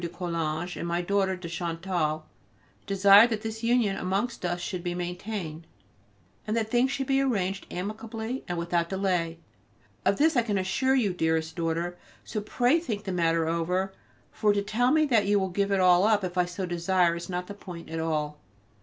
de Coulanges and my daughter de Chantal desire that this union amongst us should be maintained, and that things should be arranged amicably and without delay; of this I can assure you, dearest daughter, so pray think the matter over; for to tell me that you will give it all up if I so desire is not the point at all.